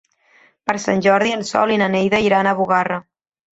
Per Sant Jordi en Sol i na Neida iran a Bugarra.